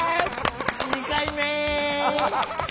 ２回目！